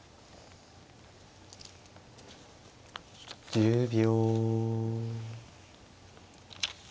１０秒。